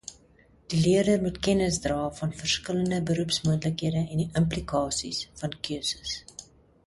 Die leerder moet kennis dra van verskillende beroepsmoontlikhede en die implikasies van keuses.